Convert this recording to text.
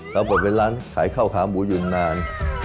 เราก็เป็นร้านขายข้าวขาวหมูยุนนาน